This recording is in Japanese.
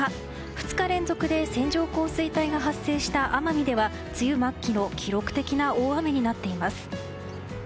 ２日連続で線状降水帯が発生した奄美では梅雨末期の記録的な大雨になっています。